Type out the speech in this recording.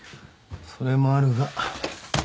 それもあるが。